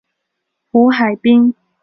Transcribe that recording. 胡海滨。